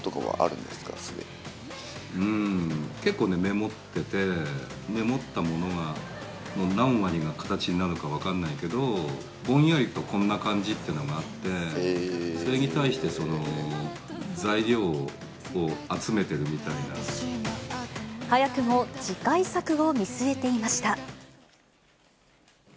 うーん、結構メモってて、メモったものの何割が形になるのか分かんないけど、ぼんやりとこんな感じっていうのがあって、それに対して、早くも次回作を見据えていました。